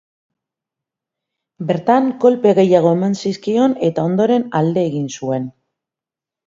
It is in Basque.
Bertan, kolpe gehiago eman zizkion eta ondoren alde egin zuen.